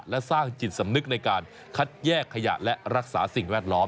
และสร้างจิตสำนึกในการคัดแยกขยะและรักษาสิ่งแวดล้อม